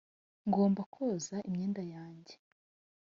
ngomba koza imyenda yanjye.